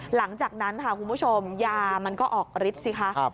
หลังจากนั้นค่ะคุณผู้ชมยามันก็ออกฤทธิ์สิคะ